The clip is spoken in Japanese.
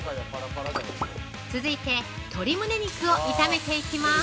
続いて、鶏むね肉を炒めていきます。